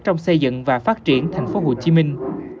trong xây dựng và phát triển thành phố hồ chí minh